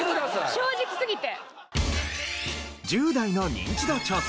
正直すぎて。